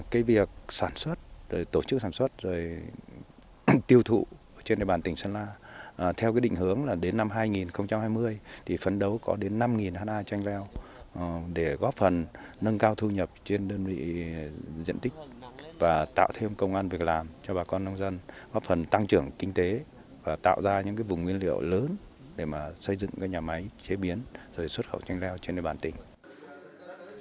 cái việc sản xuất tổ chức sản xuất tiêu thụ trên địa bàn tỉnh sơn la theo định hướng là đến năm hai nghìn hai mươi phấn đấu có đến năm ha chanh leo để góp phần nâng cao thu nhập trên đơn vị diện tích và tạo thêm công an việc làm cho bà con nông dân góp phần tăng trưởng kinh tế và tạo ra những vùng nguyên liệu lớn để xây dựng nhà máy chế biến rồi xuất khẩu chanh leo trên địa bàn tỉnh